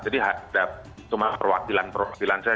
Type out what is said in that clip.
jadi cuma perwakilan perwakilan saja